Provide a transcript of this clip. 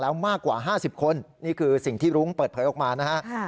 แล้วมากกว่า๕๐คนนี่คือสิ่งที่รุ้งเปิดเผยออกมานะฮะ